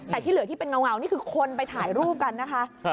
แต่ที่เหลือที่เป็นเงานี่คือคนไปถ่ายรูปกันนะคะ